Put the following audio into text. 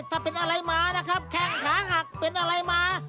ถ้าเป็นอะไรมานะครับแข้งขาหักเป็นอะไรมา